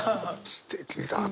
すてきだね。